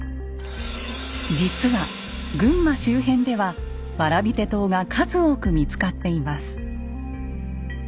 実は群馬周辺では蕨手刀が数多く見つかっています。